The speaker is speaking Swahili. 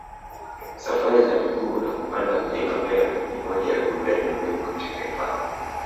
Safari za miguu na kupanda mlima Meru ni moja ya burudani muhimu katika hifadhi